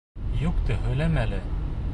Юҡты һөйләмә әле.